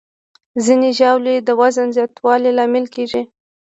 ځینې ژاولې د وزن زیاتوالي لامل کېږي.